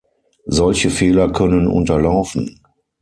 Solche Fehler können unterlaufen.